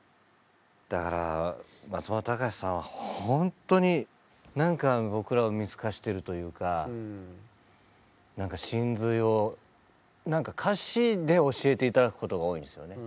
だから松本隆さんはほんとに何か僕らを見透かしてるというか神髄を何か歌詞で教えて頂くことが多いんですよね。